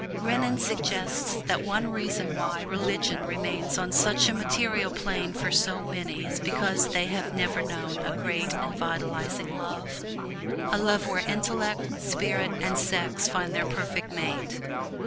Renan suggests that one reason why religion remains on such a material plane for many is because they have never known a great and vitalizing love a love where intellect, spirit and sex find their perfect mate.